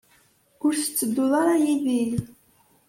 Ur tettedduḍ ara yid-i?